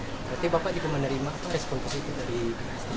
berarti bapak juga menerima respon positif dari pks